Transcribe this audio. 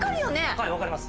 はい分かります。